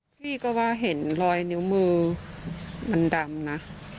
พี่ก็ว่าเห็นรอยนิ้วมือมันดำนะ